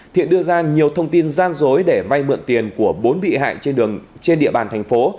thiện đưa ra nhiều thông tin gian dối để vay mượn tiền của bốn bị hại trên địa bàn thành phố